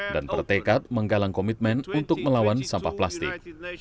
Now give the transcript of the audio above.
dan bertekad menggalang komitmen untuk melawan sampah plastik